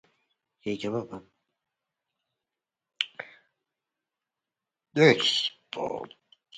He often draws his characters as if seen from a low perspective.